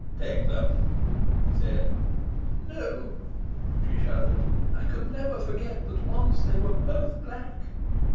"Take them," he said. "No," she shuddered. "I could never forget that once they were both black."